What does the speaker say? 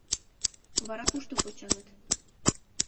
Вара кушто почаҥыт?